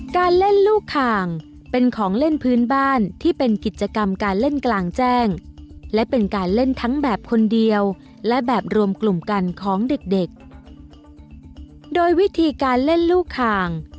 การเล่นลูกคางเป็นของเล่นพื้นบ้านที่เป็นกิจกรรมการเล่นกลางแจ้งและเป็นการเล่นทั้งแบบคนเดียวและแบบรวมกลุ่มกันของเด็กเด็กโดยวิธีการเล่นลูกคาง